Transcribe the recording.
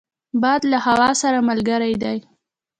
باد له هوا سره ملګری دی